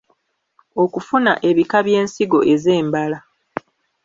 Okufuna ebika by’ensigo ez’embala.